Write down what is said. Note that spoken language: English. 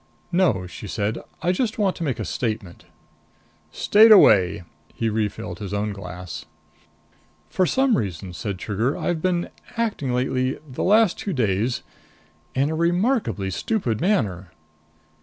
"No," she said. "I just want to make a statement." "State away." He refilled his own glass. "For some reason," said Trigger, "I've been acting lately the last two days in a remarkably stupid manner."